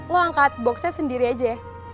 lo angkat boxnya sendiri aja